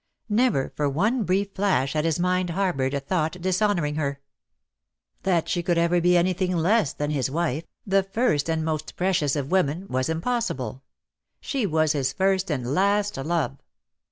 Never for one brief flash had his mind harboured a thought dishonouring her. That she could ever be anything less than his wife, the first and most precious of women, was impossible. She was his first and last love.